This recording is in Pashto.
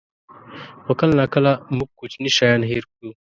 خو کله ناکله موږ کوچني شیان هېر کړو.